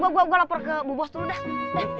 gue laper ke bu bos dulu dah